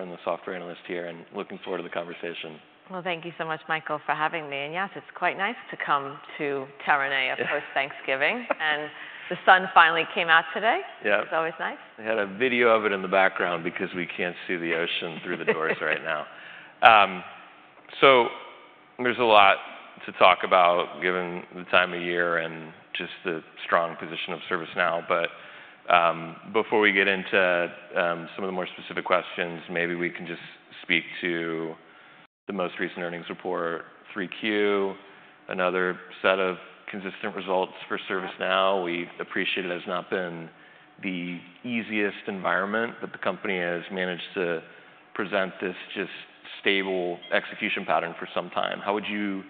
I'm the software analyst here, and looking forward to the conversation. Thank you so much, Michael, for having me. Yes, it's quite nice to come to Terranea for Thanksgiving, and the sun finally came out today. Yeah. It's always nice. We had a video of it in the background because we can't see the ocean through the doors right now. So there's a lot to talk about given the time of year and just the strong position of ServiceNow. But before we get into some of the more specific questions, maybe we can just speak to the most recent earnings report, 3Q, another set of consistent results for ServiceNow. We appreciate it has not been the easiest environment, but the company has managed to present this just stable execution pattern for some time. How would you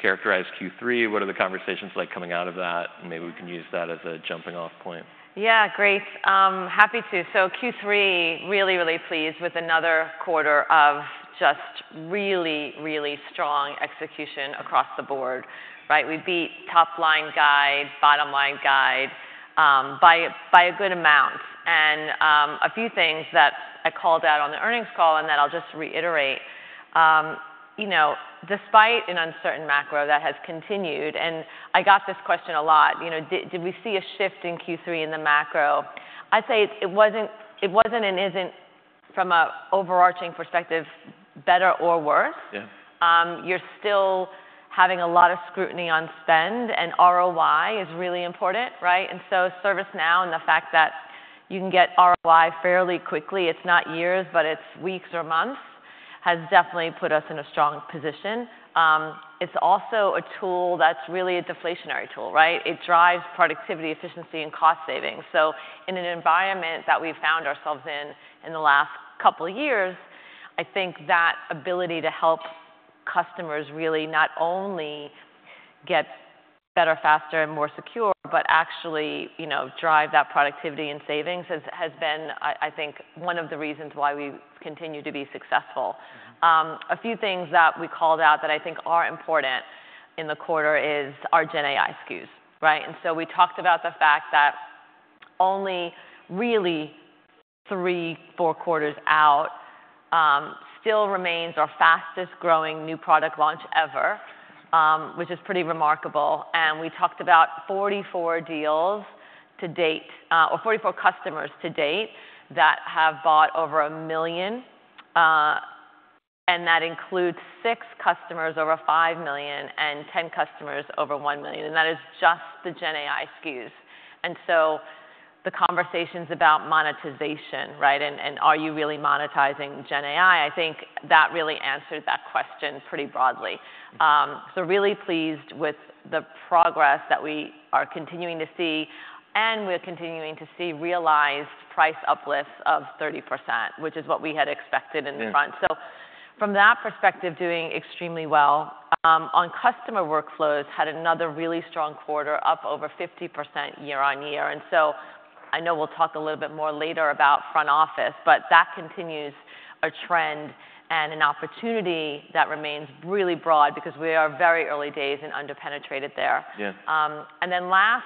characterize Q3? What are the conversations like coming out of that? And maybe we can use that as a jumping-off point. Yeah, great. Happy to. So, Q3, really, really pleased with another quarter of just really, really strong execution across the board. We beat top-line guide, bottom-line guide by a good amount. And a few things that I called out on the earnings call, and that I'll just reiterate. Despite an uncertain macro that has continued, and I got this question a lot, did we see a shift in Q3 in the macro? I'd say it wasn't and isn't, from an overarching perspective, better or worse. You're still having a lot of scrutiny on spend, and ROI is really important. And so ServiceNow and the fact that you can get ROI fairly quickly, it's not years, but it's weeks or months, has definitely put us in a strong position. It's also a tool that's really a deflationary tool. It drives productivity, efficiency, and cost savings. So in an environment that we've found ourselves in in the last couple of years, I think that ability to help customers really not only get better, faster, and more secure, but actually drive that productivity and savings has been, I think, one of the reasons why we've continued to be successful. A few things that we called out that I think are important in the quarter is our GenAI SKUs. And so we talked about the fact that only really three, four quarters out still remains our fastest-growing new product launch ever, which is pretty remarkable. And we talked about 44 deals to date, or 44 customers to date that have bought over a million, and that includes six customers over five million and 10 customers over one million. And that is just the GenAI SKUs. And so the conversations about monetization, and are you really monetizing GenAI? I think that really answered that question pretty broadly. So really pleased with the progress that we are continuing to see, and we're continuing to see realized price uplifts of 30%, which is what we had expected in the front. So from that perspective, doing extremely well. On customer Workflows, had another really strong quarter, up over 50% year on year. And so I know we'll talk a little bit more later about front office, but that continues a trend and an opportunity that remains really broad because we are very early days and underpenetrated there. And then last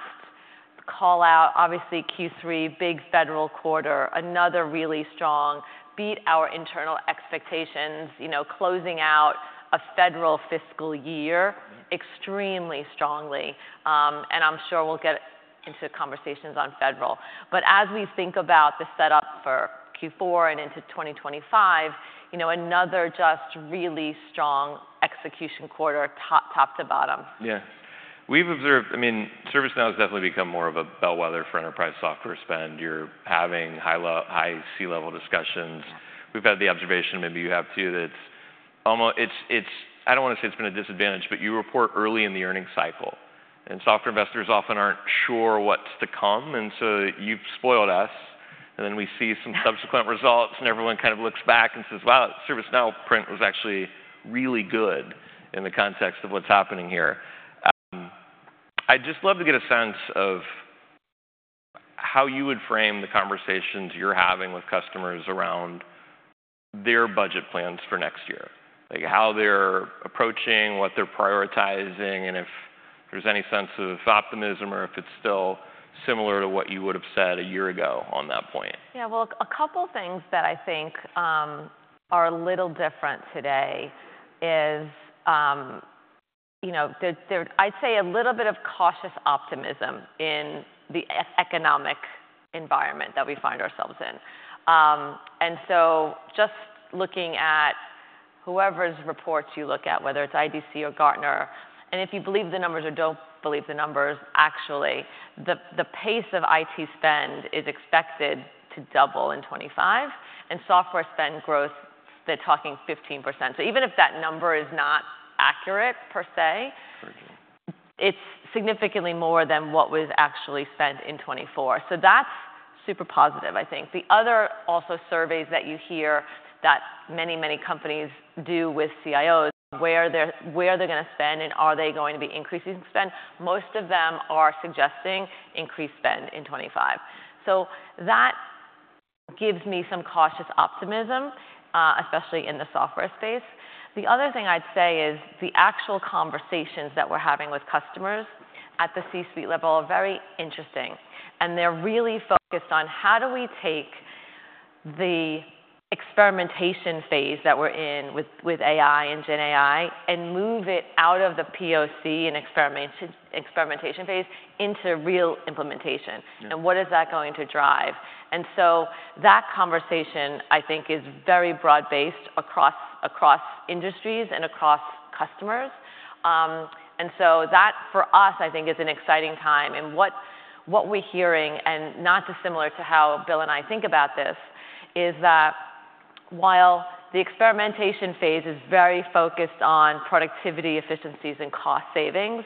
call out, obviously Q3, big federal quarter, another really strong, beat our internal expectations, closing out a federal fiscal year extremely strongly. And I'm sure we'll get into conversations on federal. But as we think about the setup for Q4 and into 2025, another just really strong execution quarter, top to bottom. Yeah. I mean, ServiceNow has definitely become more of a bellwether for enterprise software spend. You're having high C-level discussions. We've had the observation, maybe you have too, that it's almost, I don't want to say it's been a disadvantage, but you report early in the earnings cycle. And software investors often aren't sure what's to come. And so you've spoiled us. And then we see some subsequent results, and everyone kind of looks back and says, wow, ServiceNow print was actually really good in the context of what's happening here. I'd just love to get a sense of how you would frame the conversations you're having with customers around their budget plans for next year, how they're approaching, what they're prioritizing, and if there's any sense of optimism or if it's still similar to what you would have said a year ago on that point. Yeah, well, a couple of things that I think are a little different today is, I'd say a little bit of cautious optimism in the economic environment that we find ourselves in. And so just looking at whoever's reports you look at, whether it's IDC or Gartner, and if you believe the numbers or don't believe the numbers, actually, the pace of IT spend is expected to double in 2025. And software spend growth, they're talking 15%. So even if that number is not accurate per se, it's significantly more than what was actually spent in 2024. So that's super positive, I think. The other also surveys that you hear that many, many companies do with CIOs, where they're going to spend and are they going to be increasing spend, most of them are suggesting increased spend in 2025. So that gives me some cautious optimism, especially in the software space. The other thing I'd say is the actual conversations that we're having with customers at the C-suite level are very interesting. And they're really focused on how do we take the experimentation phase that we're in with AI and GenAI and move it out of the POC and experimentation phase into real implementation. And what is that going to drive? And so that conversation, I think, is very broad-based across industries and across customers. And so that for us, I think, is an exciting time. And what we're hearing, and not dissimilar to how Bill and I think about this, is that while the experimentation phase is very focused on productivity, efficiencies, and cost savings,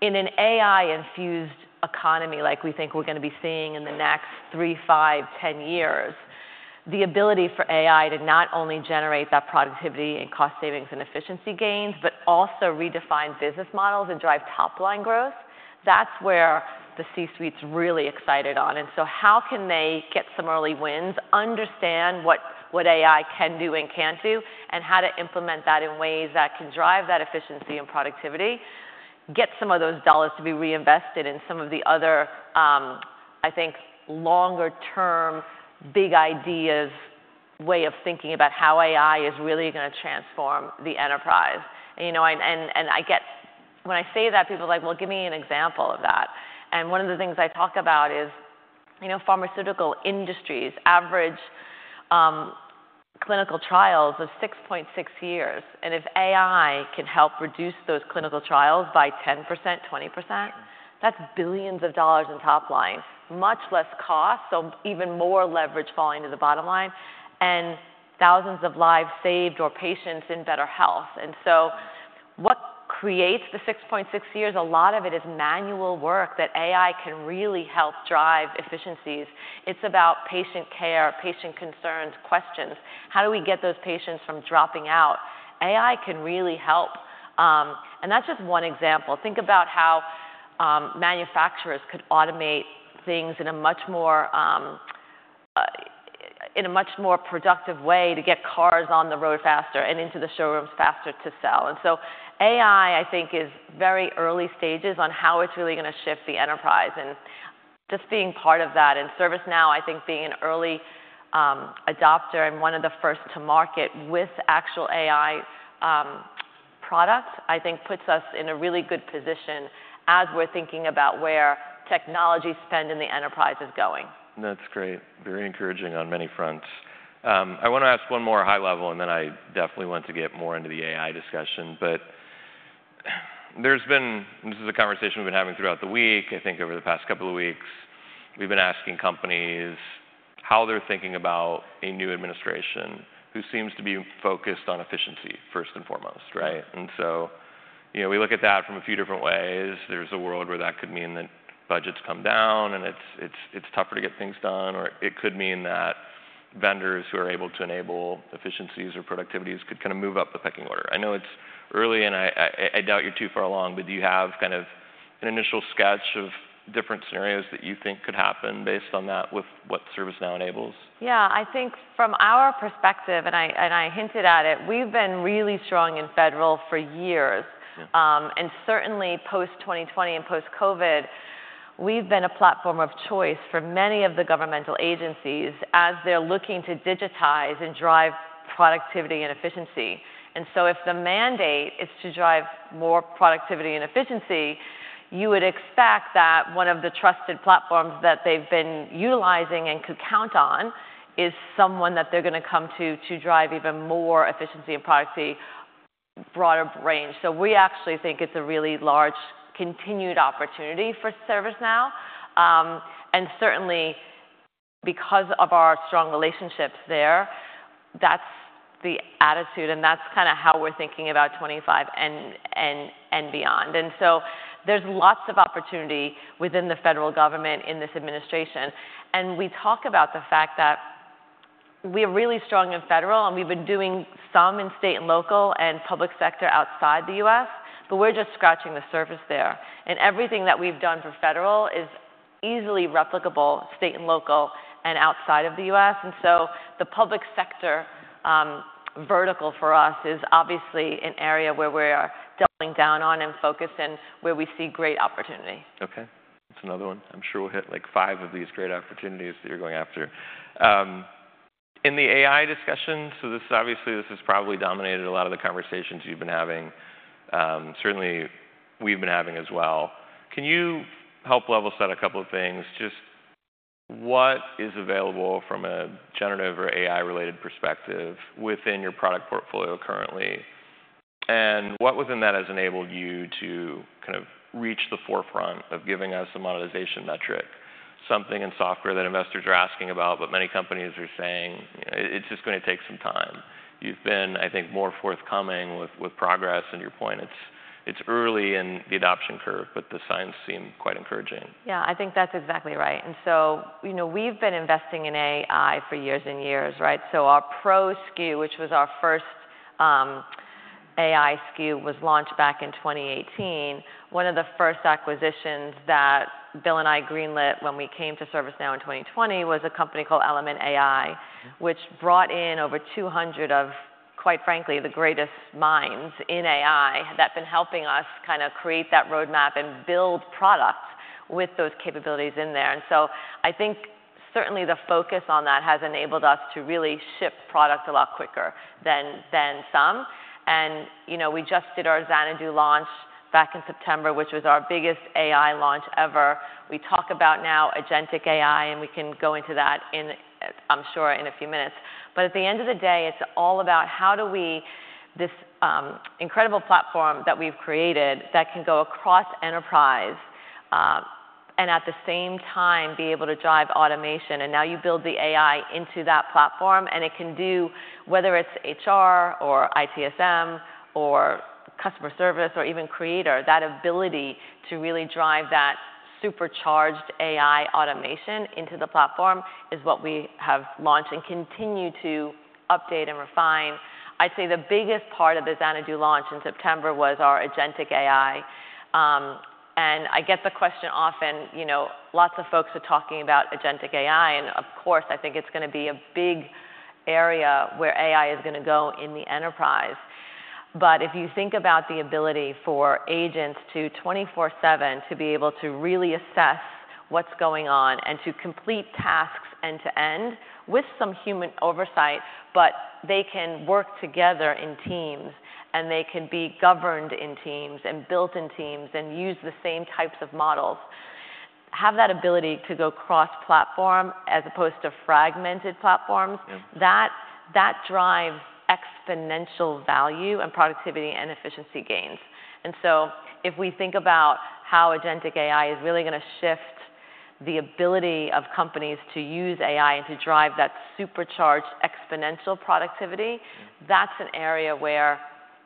in an AI-infused economy like we think we're going to be seeing in the next three, five, ten years, the ability for AI to not only generate that productivity and cost savings and efficiency gains, but also redefine business models and drive top-line growth, that's where the C-suite's really excited on. And so how can they get some early wins, understand what AI can do and can't do, and how to implement that in ways that can drive that efficiency and productivity, get some of those dollars to be reinvested in some of the other, I think, longer-term big ideas way of thinking about how AI is really going to transform the enterprise. And when I say that, people are like, well, give me an example of that. And one of the things I talk about is pharmaceutical industries average clinical trials of 6.6 years. And if AI can help reduce those clinical trials by 10%-20%, that's billions of dollars in top line, much less cost, so even more leverage falling to the bottom line, and thousands of lives saved or patients in better health. And so what creates the 6.6 years, a lot of it is manual work that AI can really help drive efficiencies. It's about patient care, patient concerns, questions. How do we get those patients from dropping out? AI can really help. And that's just one example. Think about how manufacturers could automate things in a much more productive way to get cars on the road faster and into the showrooms faster to sell. And so, AI, I think, is very early stages on how it's really going to shift the enterprise. And just being part of that, and ServiceNow, I think, being an early adopter and one of the first to market with actual AI products, I think, puts us in a really good position as we're thinking about where technology spend in the enterprise is going. That's great. Very encouraging on many fronts. I want to ask one more high-level, and then I definitely want to get more into the AI discussion. But this is a conversation we've been having throughout the week, I think over the past couple of weeks. We've been asking companies how they're thinking about a new administration who seems to be focused on efficiency first and foremost. And so we look at that from a few different ways. There's a world where that could mean that budgets come down and it's tougher to get things done, or it could mean that vendors who are able to enable efficiencies or productivities could kind of move up the pecking order. I know it's early, and I doubt you're too far along, but do you have kind of an initial sketch of different scenarios that you think could happen based on that with what ServiceNow enables? Yeah, I think from our perspective, and I hinted at it, we've been really strong in federal for years, and certainly post-2020 and post-COVID, we've been a platform of choice for many of the governmental agencies as they're looking to digitize and drive productivity and efficiency, and so if the mandate is to drive more productivity and efficiency, you would expect that one of the trusted platforms that they've been utilizing and could count on is someone that they're going to come to to drive even more efficiency and productivity, broader range, so we actually think it's a really large continued opportunity for ServiceNow, and certainly because of our strong relationships there, that's the attitude, and that's kind of how we're thinking about 2025 and beyond, and so there's lots of opportunity within the federal government in this administration. And we talk about the fact that we are really strong in federal, and we've been doing some in state and local and public sector outside the U.S., but we're just scratching the surface there. And everything that we've done for federal is easily replicable state and local and outside of the U.S. And so the public sector vertical for us is obviously an area where we're doubling down on and focusing where we see great opportunity. Okay. That's another one. I'm sure we'll hit like five of these great opportunities that you're going after. In the AI discussion, so this is obviously, this has probably dominated a lot of the conversations you've been having, certainly we've been having as well. Can you help level set a couple of things? Just what is available from a generative or AI-related perspective within your product portfolio currently? And what within that has enabled you to kind of reach the forefront of giving us a monetization metric, something in software that investors are asking about, but many companies are saying it's just going to take some time. You've been, I think, more forthcoming with progress. And to your point, it's early in the adoption curve, but the signs seem quite encouraging. Yeah, I think that's exactly right. And so we've been investing in AI for years and years. So our Pro SKU, which was our first AI SKU, was launched back in 2018. One of the first acquisitions that Bill and I greenlit when we came to ServiceNow in 2020 was a company called Element AI, which brought in over 200 of, quite frankly, the greatest minds in AI that have been helping us kind of create that roadmap and build product with those capabilities in there. And so I think certainly the focus on that has enabled us to really ship product a lot quicker than some. And we just did our Xanadu launch back in September, which was our biggest AI launch ever. We talk about now agentic AI, and we can go into that, I'm sure, in a few minutes. But at the end of the day, it's all about how we do this incredible platform that we've created that can go across enterprise and at the same time be able to drive automation. And now you build the AI into that platform, and it can do, whether it's HR or ITSM or customer service or even Creator, that ability to really drive that supercharged AI automation into the platform is what we have launched and continue to update and refine. I'd say the biggest part of the Xanadu launch in September was our Agentic AI. And I get the question often, lots of folks are talking about Agentic AI, and of course, I think it's going to be a big area where AI is going to go in the enterprise. But if you think about the ability for agents to 24/7 to be able to really assess what's going on and to complete tasks end to end with some human oversight, but they can work together in teams and they can be governed in teams and built in teams and use the same types of models, have that ability to go cross-platform as opposed to fragmented platforms, that drives exponential value and productivity and efficiency gains. And so if we think about how agentic AI is really going to shift the ability of companies to use AI and to drive that supercharged exponential productivity, that's an area where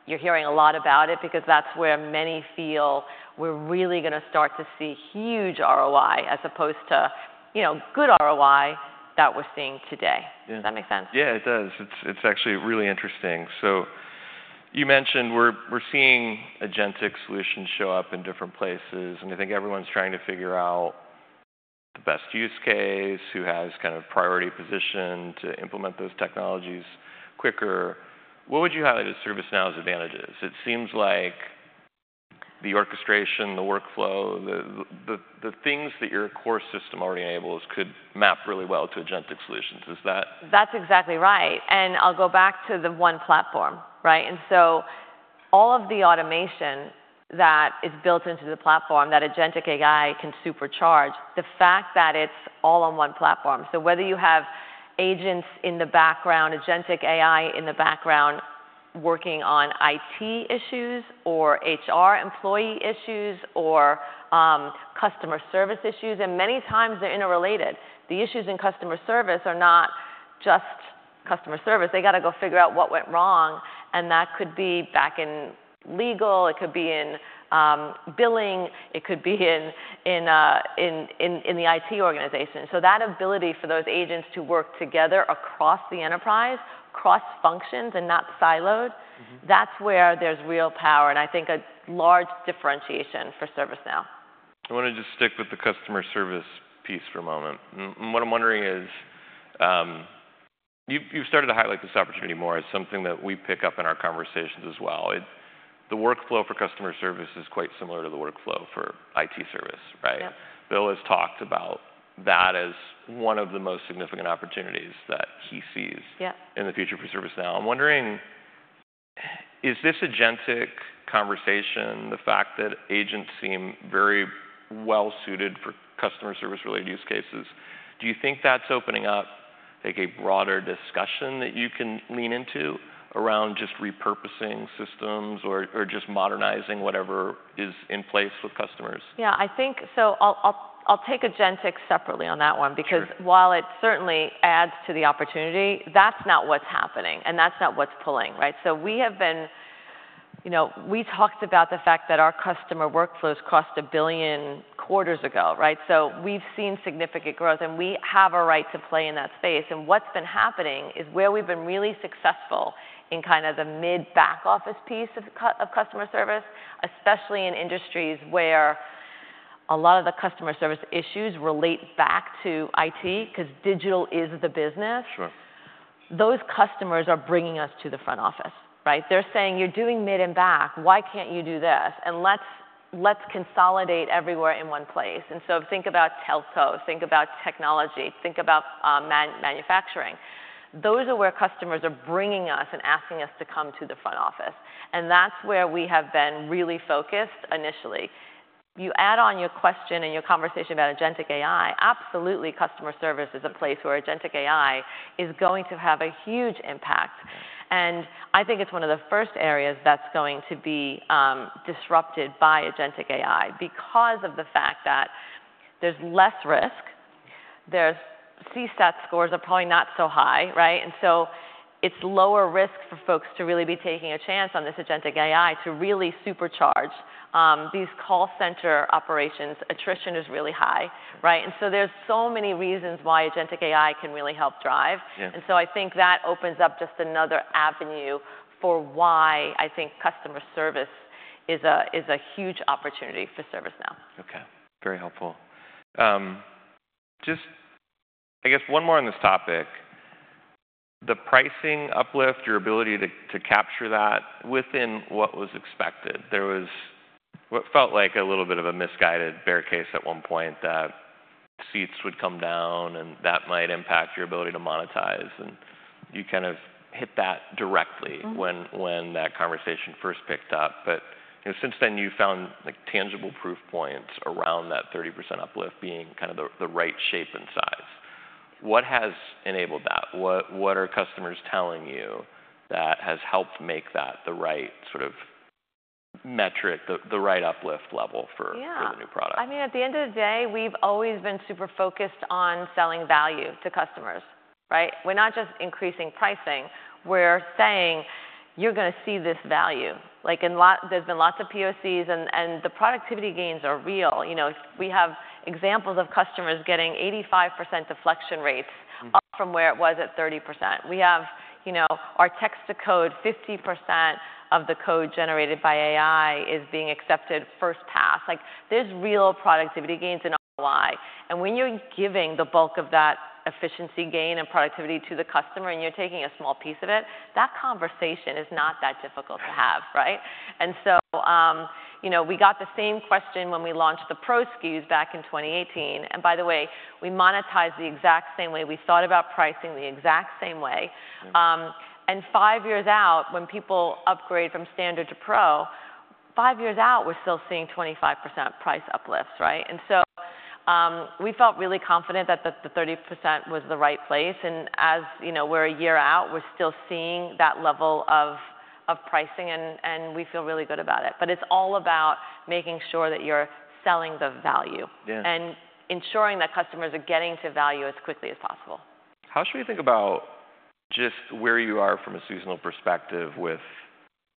you're hearing a lot about it because that's where many feel we're really going to start to see huge ROI as opposed to good ROI that we're seeing today. Does that make sense? Yeah, it does. It's actually really interesting. So you mentioned we're seeing agentic solutions show up in different places, and I think everyone's trying to figure out the best use case, who has kind of priority position to implement those technologies quicker. What would you highlight as ServiceNow's advantages? It seems like the orchestration, the workflow, the things that your core system already enables could map really well to agentic solutions. Is that? That's exactly right, and I'll go back to the one platform, and so all of the automation that is built into the platform that agentic AI can supercharge, the fact that it's all on one platform, so whether you have agents in the background, agentic AI in the background working on IT issues or HR employee issues or customer service issues, and many times they're interrelated. The issues in customer service are not just customer service. They got to go figure out what went wrong. And that could be back in legal, it could be in billing, it could be in the IT organization, so that ability for those agents to work together across the enterprise, cross-functions and not siloed, that's where there's real power and I think a large differentiation for ServiceNow. I want to just stick with the customer service piece for a moment. What I'm wondering is you've started to highlight this opportunity more as something that we pick up in our conversations as well. The workflow for customer service is quite similar to the workflow for IT service. Bill has talked about that as one of the most significant opportunities that he sees in the future for ServiceNow. I'm wondering, is this agentic conversation, the fact that agents seem very well-suited for customer service-related use cases, do you think that's opening up a broader discussion that you can lean into around just repurposing systems or just modernizing whatever is in place with customers? Yeah, I think so. I'll take agentic separately on that one because while it certainly adds to the opportunity, that's not what's happening and that's not what's pulling. So we've talked about the fact that our Customer Workflows crossed a billion quarters ago. So we've seen significant growth and we have a right to play in that space. And what's been happening is where we've been really successful in kind of the mid-back office piece of customer service, especially in industries where a lot of the customer service issues relate back to IT because digital is the business. Those customers are bringing us to the front office. They're saying, "You're doing mid and back. Why can't you do this? And let's consolidate everywhere in one place." And so think about telcos, think about technology, think about manufacturing. Those are where customers are bringing us and asking us to come to the front office. And that's where we have been really focused initially. You add on your question and your conversation about agentic AI, absolutely customer service is a place where agentic AI is going to have a huge impact. And I think it's one of the first areas that's going to be disrupted by agentic AI because of the fact that there's less risk, their CSAT scores are probably not so high. And so it's lower risk for folks to really be taking a chance on this agentic AI to really supercharge these call center operations. Attrition is really high. And so there's so many reasons why agentic AI can really help drive. And so I think that opens up just another avenue for why I think customer service is a huge opportunity for ServiceNow. Okay. Very helpful. Just, I guess, one more on this topic. The pricing uplift, your ability to capture that within what was expected. There was what felt like a little bit of a misguided barricade at one point that seats would come down and that might impact your ability to monetize. And you kind of hit that directly when that conversation first picked up. But since then, you found tangible proof points around that 30% uplift being kind of the right shape and size. What has enabled that? What are customers telling you that has helped make that the right sort of metric, the right uplift level for the new product? Yeah. I mean, at the end of the day, we've always been super focused on selling value to customers. We're not just increasing pricing. We're saying, "You're going to see this value." There's been lots of POCs and the productivity gains are real. We have examples of customers getting 85% deflection rates up from where it was at 30%. We have our text-to-code, 50% of the code generated by AI is being accepted first pass. There's real productivity gains in ROI. And when you're giving the bulk of that efficiency gain and productivity to the customer and you're taking a small piece of it, that conversation is not that difficult to have. And so we got the same question when we launched the Pro SKUs back in 2018. And by the way, we monetized the exact same way. We thought about pricing the exact same way. Five years out, when people upgrade from Standard to pro, five years out, we're still seeing 25% price uplifts. So we felt really confident that the 30% was the right place. As we're a year out, we're still seeing that level of pricing and we feel really good about it. It's all about making sure that you're selling the value and ensuring that customers are getting to value as quickly as possible. How should we think about just where you are from a seasonal perspective with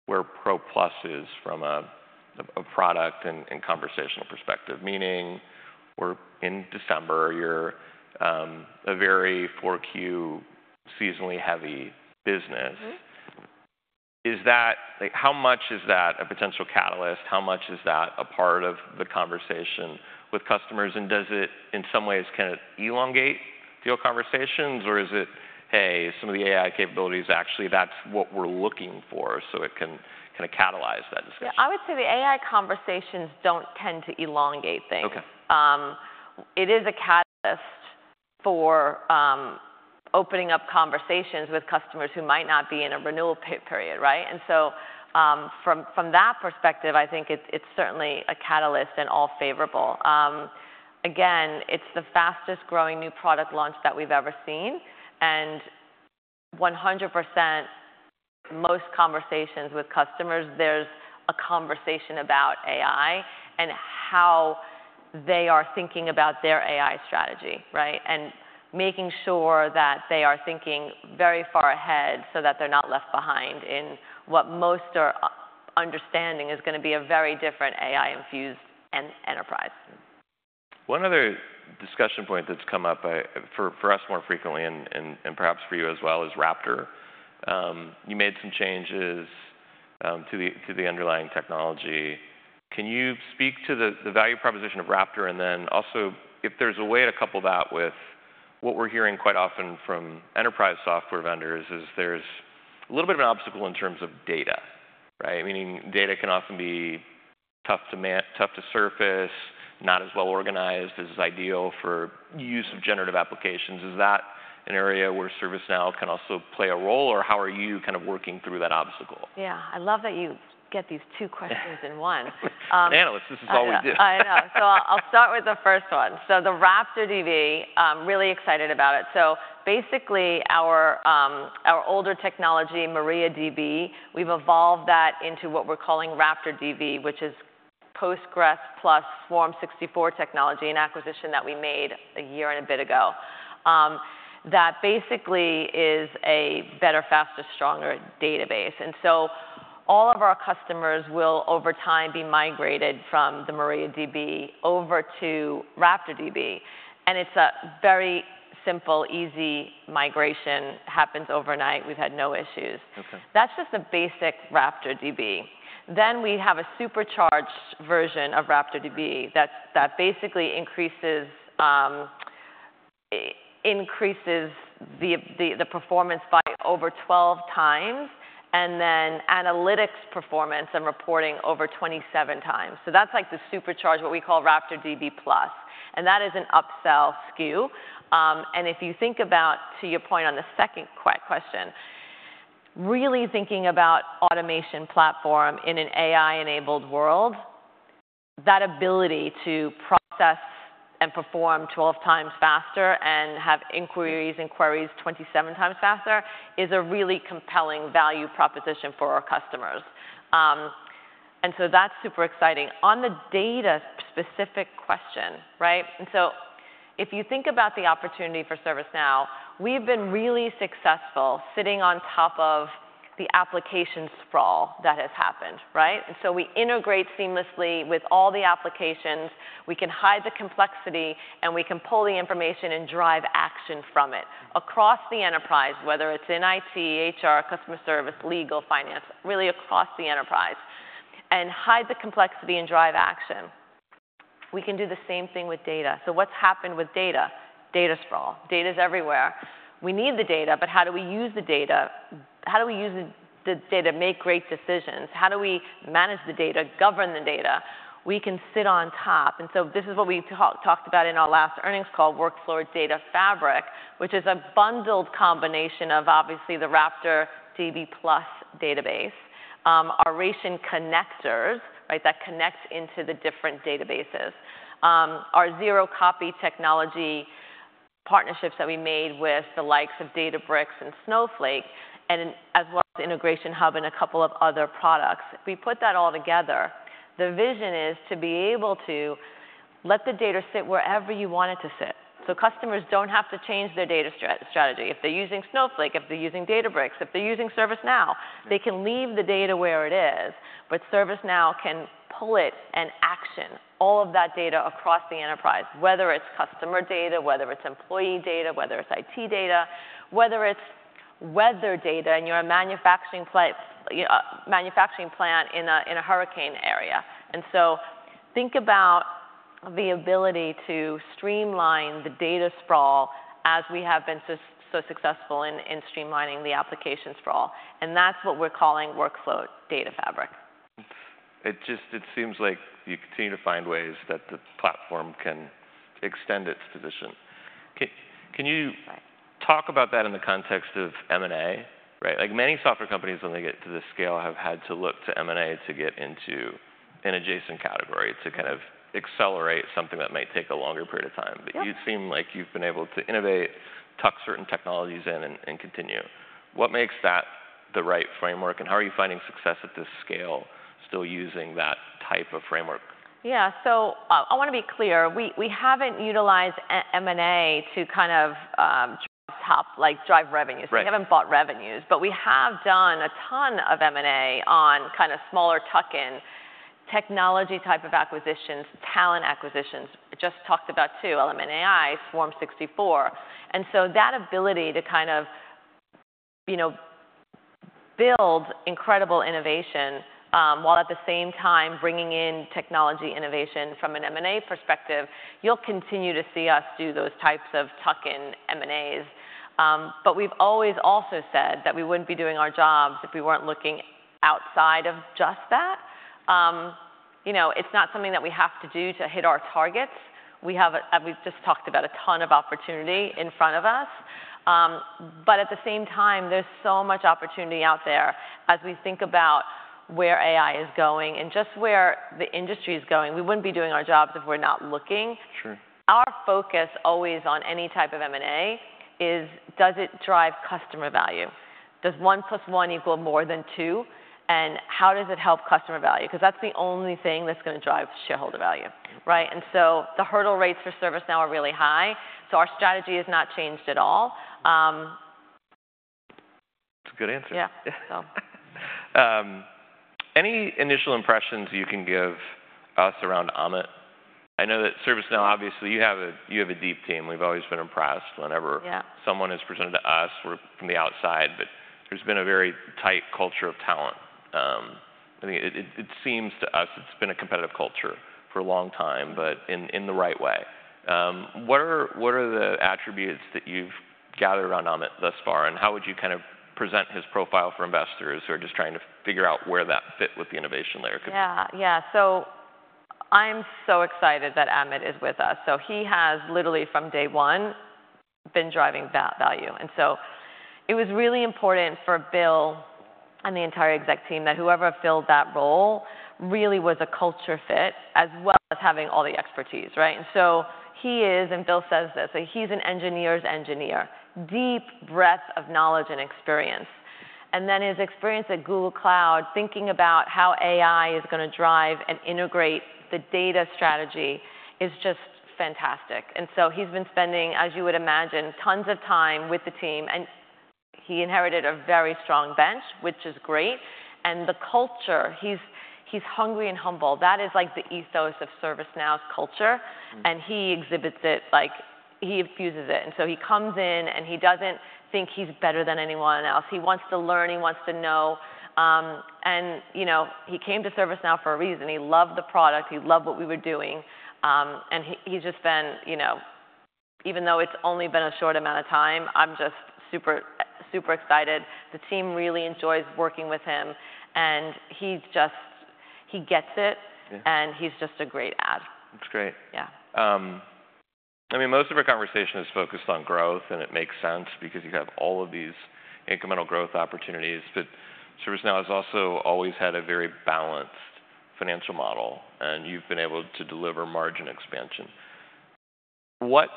where Pro Plus is from a product and conversational perspective? Meaning we're in December, you're a very Q4 seasonally heavy business. How much is that a potential catalyst? How much is that a part of the conversation with customers? And does it in some ways kind of elongate deal conversations or is it, hey, some of the AI capabilities, actually that's what we're looking for so it can kind of catalyze that discussion? Yeah, I would say the AI conversations don't tend to elongate things. It is a catalyst for opening up conversations with customers who might not be in a renewal period. And so from that perspective, I think it's certainly a catalyst and all favorable. Again, it's the fastest growing new product launch that we've ever seen. And 100% most conversations with customers, there's a conversation about AI and how they are thinking about their AI strategy and making sure that they are thinking very far ahead so that they're not left behind in what most are understanding is going to be a very different AI-infused enterprise. One other discussion point that's come up for us more frequently and perhaps for you as well is RaptorDB. You made some changes to the underlying technology. Can you speak to the value proposition of RaptorDB and then also if there's a way to couple that with what we're hearing quite often from enterprise software vendors? There's a little bit of an obstacle in terms of data, meaning data can often be tough to surface, not as well organized as ideal for use of generative applications. Is that an area where ServiceNow can also play a role or how are you kind of working through that obstacle? Yeah, I love that you get these two questions in one. Analysts, this is all we do. I know. So I'll start with the first one. So the RaptorDB, really excited about it. So basically our older technology, MariaDB, we've evolved that into what we're calling RaptorDB, which is PostgreSQL plus Swarm64 technology, an acquisition that we made a year and a bit ago. That basically is a better, faster, stronger database. And so all of our customers will over time be migrated from the MariaDB over to RaptorDB. And it's a very simple, easy migration, happens overnight. We've had no issues. That's just the basic RaptorDB. Then we have a supercharged version of RaptorDB that basically increases the performance by over 12 times and then analytics performance and reporting over 27 times. So that's like the supercharged, what we call RaptorDB Plus. And that is an upsell SKU. And if you think about, to your point on the second question, really thinking about automation platform in an AI-enabled world, that ability to process and perform 12 times faster and have inquiries and queries 27 times faster is a really compelling value proposition for our customers. And so that's super exciting. On the data specific question, so if you think about the opportunity for ServiceNow, we've been really successful sitting on top of the application sprawl that has happened. And so we integrate seamlessly with all the applications. We can hide the complexity and we can pull the information and drive action from it across the enterprise, whether it's in IT, HR, customer service, legal, finance, really across the enterprise and hide the complexity and drive action. We can do the same thing with data. So what's happened with data? Data sprawl. Data is everywhere. We need the data, but how do we use the data? How do we use the data to make great decisions? How do we manage the data, govern the data? We can sit on top, and so this is what we talked about in our last earnings call, Workflow Data Fabric, which is a bundled combination of obviously the RaptorDB Plus database, our integration connectors that connect into the different databases, our zero copy technology partnerships that we made with the likes of Databricks and Snowflake, and as well as the IntegrationHub and a couple of other products. We put that all together. The vision is to be able to let the data sit wherever you want it to sit, so customers don't have to change their data strategy. If they're using Snowflake, if they're using Databricks, if they're using ServiceNow, they can leave the data where it is, but ServiceNow can pull it and action all of that data across the enterprise, whether it's customer data, whether it's employee data, whether it's IT data, whether it's weather data and you're a manufacturing plant in a hurricane area. Think about the ability to streamline the data sprawl as we have been so successful in streamlining the application sprawl. That's what we're calling Workflow Data Fabric. It just seems like you continue to find ways that the platform can extend its position. Can you talk about that in the context of M&A? Many software companies, when they get to this scale, have had to look to M&A to get into an adjacent category to kind of accelerate something that might take a longer period of time. But you seem like you've been able to innovate, tuck certain technologies in and continue. What makes that the right framework and how are you finding success at this scale still using that type of framework? Yeah, so I want to be clear. We haven't utilized M&A to kind of drive revenues. We haven't bought revenues, but we have done a ton of M&A on kind of smaller tuck-in technology type of acquisitions, talent acquisitions. Just talked about, too, Element AI, Swarm64. And so that ability to kind of build incredible innovation while at the same time bringing in technology innovation from an M&A perspective, you'll continue to see us do those types of tuck-in M&As. But we've always also said that we wouldn't be doing our jobs if we weren't looking outside of just that. It's not something that we have to do to hit our targets. We just talked about a ton of opportunity in front of us. But at the same time, there's so much opportunity out there as we think about where AI is going and just where the industry is going. We wouldn't be doing our jobs if we're not looking. Our focus always on any type of M&A is, does it drive customer value? Does one plus one equal more than two, and how does it help customer value, because that's the only thing that's going to drive shareholder value, and so the hurdle rates for ServiceNow are really high, so our strategy has not changed at all. That's a good answer. Yeah. Any initial impressions you can give us around Amit? I know that ServiceNow, obviously you have a deep team. We've always been impressed whenever someone has presented to us from the outside, but there's been a very tight culture of talent. It seems to us it's been a competitive culture for a long time, but in the right way. What are the attributes that you've gathered around Amit thus far and how would you kind of present his profile for investors who are just trying to figure out where that fit with the innovation layer could be? Yeah, yeah. So I'm so excited that Amit is with us. So he has literally from day one been driving that value. And so it was really important for Bill and the entire exec team that whoever filled that role really was a culture fit as well as having all the expertise. And so he is, and Bill says this, he's an engineer's engineer, deep breadth of knowledge and experience. And then his experience at Google Cloud, thinking about how AI is going to drive and integrate the data strategy is just fantastic. And so he's been spending, as you would imagine, tons of time with the team. And he inherited a very strong bench, which is great. And the culture, he's hungry and humble. That is like the ethos of ServiceNow's culture. And he exhibits it, he infuses it. And so he comes in and he doesn't think he's better than anyone else. He wants to learn, he wants to know. And he came to ServiceNow for a reason. He loved the product, he loved what we were doing. And he's just been, even though it's only been a short amount of time, I'm just super excited. The team really enjoys working with him. And he gets it and he's just a great add. That's great. I mean, most of our conversation is focused on growth and it makes sense because you have all of these incremental growth opportunities. But ServiceNow has also always had a very balanced financial model and you've been able to deliver margin expansion. What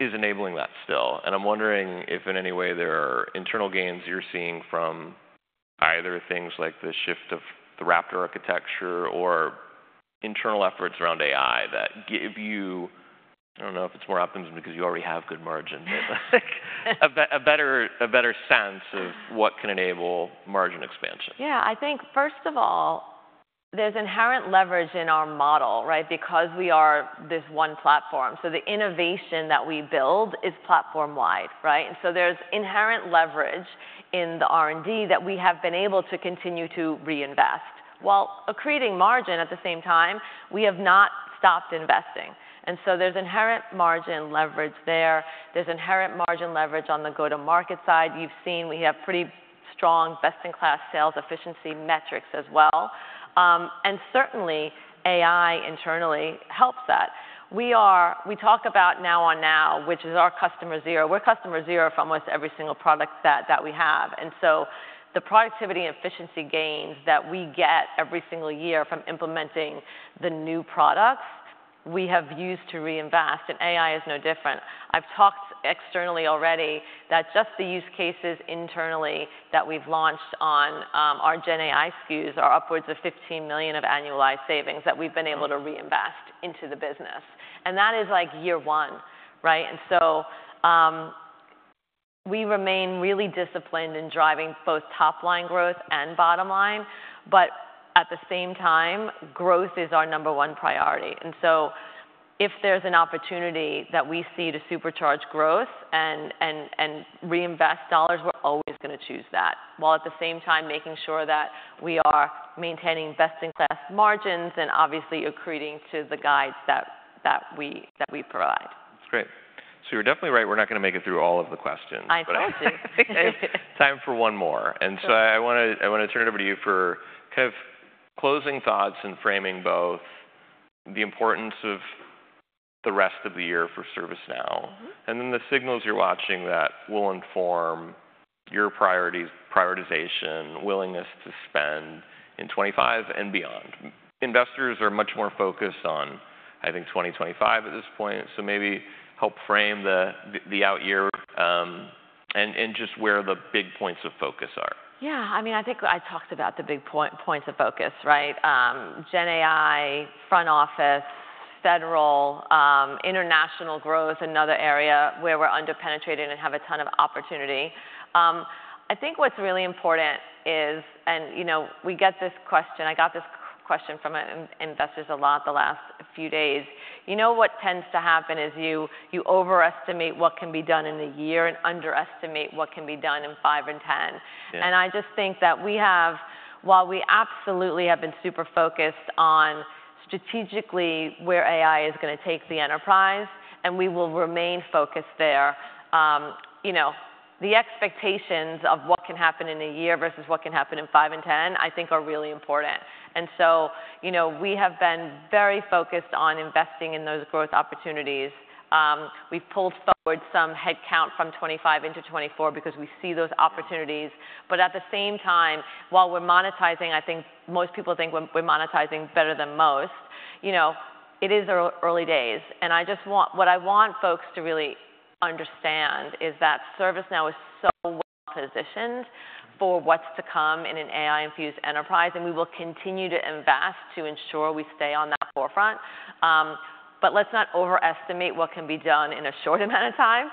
is enabling that still? And I'm wondering if in any way there are internal gains you're seeing from either things like the shift of the Raptor architecture or internal efforts around AI that give you, I don't know if it's more optimism because you already have good margin, but a better sense of what can enable margin expansion? Yeah, I think first of all, there's inherent leverage in our model because we are this one platform. So the innovation that we build is platform wide. And so there's inherent leverage in the R&D that we have been able to continue to reinvest while creating margin. At the same time, we have not stopped investing. And so there's inherent margin leverage there. There's inherent margin leverage on the go-to-market side. You've seen we have pretty strong best-in-class sales efficiency metrics as well. And certainly AI internally helps that. We talk about Now on Now, which is our customer zero. We're customer zero from almost every single product that we have. And so the productivity and efficiency gains that we get every single year from implementing the new products, we have used to reinvest and AI is no different. I've talked externally already that just the use cases internally that we've launched on our GenAI SKUs are upwards of $15 million of annualized savings that we've been able to reinvest into the business. And that is like year one. And so we remain really disciplined in driving both top-line growth and bottom line, but at the same time, growth is our number one priority. And so if there's an opportunity that we see to supercharge growth and reinvest dollars, we're always going to choose that while at the same time making sure that we are maintaining best-in-class margins and obviously accreting to the guides that we provide. That's great. So you're definitely right, we're not going to make it through all of the questions. I thought so. Time for one more. And so I want to turn it over to you for kind of closing thoughts and framing both the importance of the rest of the year for ServiceNow and then the signals you're watching that will inform your priorities, prioritization, willingness to spend in 2025 and beyond. Investors are much more focused on, I think, 2025 at this point. So maybe help frame the out year and just where the big points of focus are. Yeah, I mean, I think I talked about the big points of focus. GenAI, front office, federal, international growth, another area where we're under-penetrated and have a ton of opportunity. I think what's really important is, and we get this question. I got this question from investors a lot the last few days. You know what tends to happen is you overestimate what can be done in a year and underestimate what can be done in five and 10. I just think that we have, while we absolutely have been super focused on strategically where AI is going to take the enterprise and we will remain focused there, the expectations of what can happen in a year versus what can happen in five and 10, I think are really important. So we have been very focused on investing in those growth opportunities. We've pulled forward some headcount from 2025 into 2024 because we see those opportunities. But at the same time, while we're monetizing, I think most people think we're monetizing better than most. It is our early days. And what I want folks to really understand is that ServiceNow is so well positioned for what's to come in an AI-infused enterprise. And we will continue to invest to ensure we stay on that forefront. But let's not overestimate what can be done in a short amount of time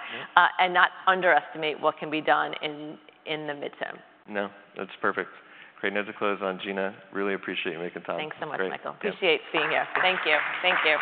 and not underestimate what can be done in the midterm. No, that's perfect. Great. And as a close on, Gina, really appreciate you making time. Thanks so much, Michael. Appreciate being here. Thank you. Thank you.